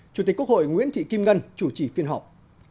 chủ tịch quốc hội nguyễn thị kim ngân chủ trì phiên họp